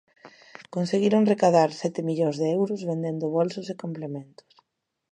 Conseguiron recadar sete millóns de euros vendendo bolsos e complementos.